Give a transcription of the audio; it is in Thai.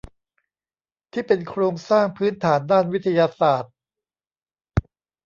ที่เป็นโครงสร้างพื้นฐานด้านวิทยาศาสตร์